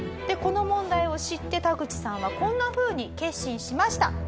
この問題を知ってタグチさんはこんなふうに決心しました。